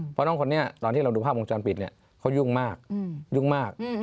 เพราะน้องคนนี้ตอนที่เราดูภาพวงจรปิดเนี่ยเขายุ่งมากยุ่งมาก